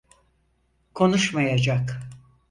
Konuşmayacak.